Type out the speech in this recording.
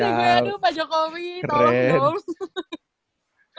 aduh waduh pak jokowi tolong dong